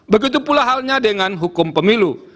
begitu pula halnya dengan hukum pemilu